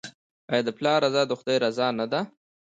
آیا د پلار رضا د خدای رضا نه ده؟